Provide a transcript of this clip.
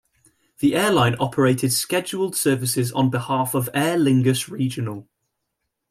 The airline operated scheduled services on behalf of Aer Lingus Regional.